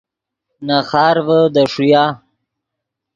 نے خارڤے دے ݰویا